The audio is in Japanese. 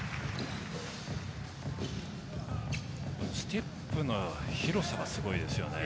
ステップの広さがすごいですよね。